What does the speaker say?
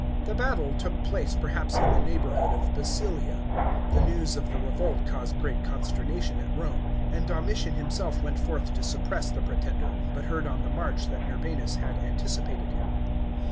The battle took place perhaps in the neighbour hood of Basilia. The news of the revolt caused great consternation at Rome, and Domitian himself went forth to suppress the pretender, but heard on the march that Norbanus had anticipated him.